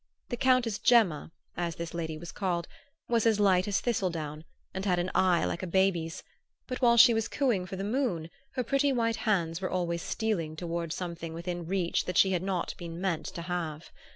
The Countess Gemma, as this lady was called, was as light as thistledown and had an eye like a baby's; but while she was cooing for the moon her pretty white hands were always stealing toward something within reach that she had not been meant to have.